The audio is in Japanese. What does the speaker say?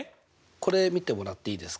これ見てもらっていいですか。